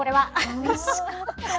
おいしかったです。